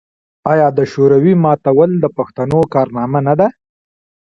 آیا د شوروي ماتول د پښتنو کارنامه نه ده؟